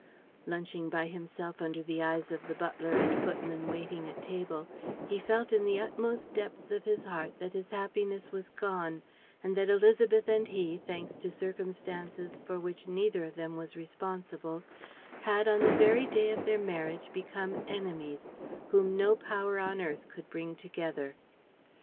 Lunching by himself under the eyes of the butler and footman waiting at table, he felt in the utmost depths of his heart that his happiness was gone and that Élisabeth and he, thanks to circumstances for which neither of them was responsible, had on the very day of their marriage become enemies whom no power on earth could bring together.